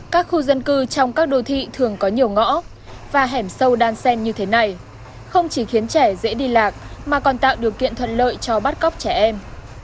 các khu dân cư trong các đô thị thường có nhiều ngõ và hẻm sâu đan sen như thế này không chỉ khiến trẻ dễ đi lạc mà còn tạo điều kiện thuận lợi cho bắt cóc trẻ em